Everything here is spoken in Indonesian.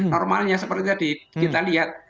normalnya seperti tadi kita lihat